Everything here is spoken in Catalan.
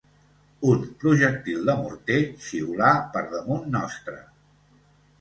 Un projectil de morter xiulà per damunt nostre